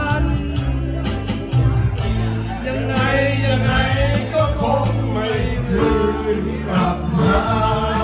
ยังไงยังไงก็คงไม่คืนกลับมา